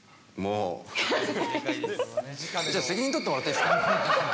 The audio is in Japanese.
じゃ責任取ってもらっていいですか。